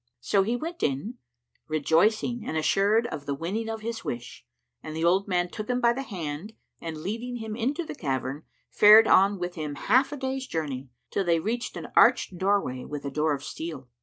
So he went in, rejoicing and assured of the winning of his wish, and the old man took him by the hand and leading him into the cavern, fared on with him half a day's journey, till they reached an arched doorway with a door of steel.